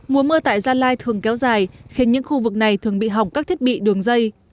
mùa mưa tại gia lai thường kéo dài khiến những khu vực này thường bị hỏng các thiết bị đường dây